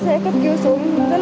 em đi điện viên